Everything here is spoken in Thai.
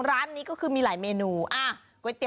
ส่วนเมนูที่ว่าคืออะไรติดตามในช่วงตลอดกิน